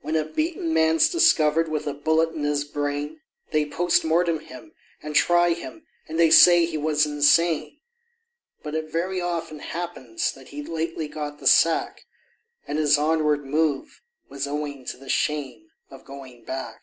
When a beaten man's discovered with a bullet in his brain, They POST MORTEM him, and try him, and they say he was insane; But it very often happens that he'd lately got the sack, And his onward move was owing to the shame of going back.